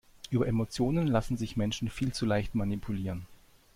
Über Emotionen lassen sich Menschen viel zu leicht manipulieren.